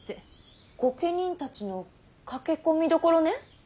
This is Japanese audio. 御家人たちの駆け込みどころね。